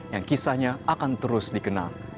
yang kisahnya akan terus dikenal